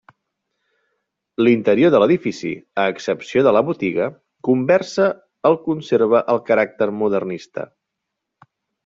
L'interior de l'edifici, a excepció de la botiga, conversa el conserva el caràcter modernista.